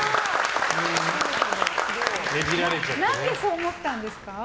○！何でそう思ったんですか？